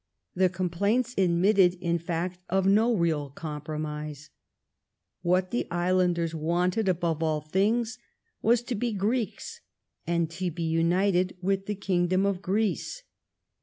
The complaints admitted, in fact, of no real compromise. What the islanders wanted above all things was to be Greeks and to be united with the Kingdom of Greece.